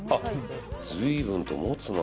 随分と持つな。